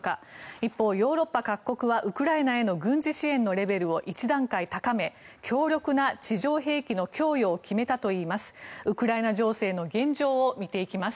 一方、ヨーロッパ各国はウクライナへの軍事支援のレベルを１段階高め強力な地上兵器の供与を決めたといいます。